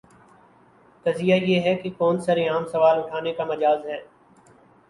قضیہ یہ ہے کہ کون سر عام سوال اٹھانے کا مجاز ہے؟